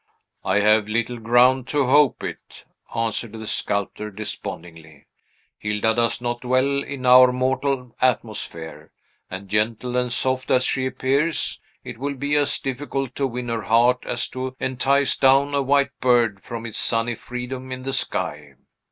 "I have little ground to hope it," answered the sculptor despondingly; "Hilda does not dwell in our mortal atmosphere; and gentle and soft as she appears, it will be as difficult to win her heart as to entice down a white bird from its sunny freedom in the sky.